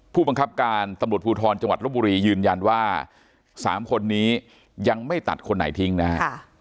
ผู้บังคับการตำรวจภูทรจังหวัดลบบุรียืนยันว่า๓คนนี้ยังไม่ตัดคนไหนทิ้งนะฮะ